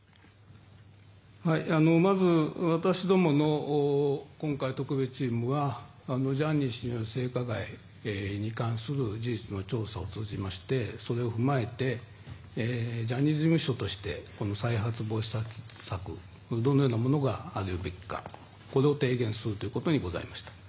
まず、私どもの特別チームはジャニー氏に関する事実の調査を通じましてそれを踏まえてジャニーズ事務所として再発防止策、どのようなものがあるべきかを提言するということでございました。